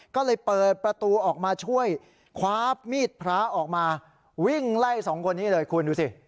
ก็เลยเปิดประตูออกมาช่วยคว้ามีดพระออกมาวิ่งไล่สองคนนี้เลยคุณดูสิ